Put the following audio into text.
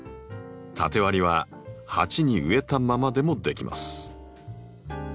縦割りは鉢に植えたままでもできます。